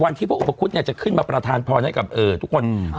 วันที่พระอุปกรุธเนี้ยจะขึ้นมาประทานพรณ์ให้กับเอ่อทุกคนอืมฮะ